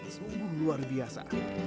sungguh luar biasa